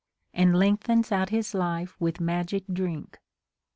And lengthens out his life witli magic drink.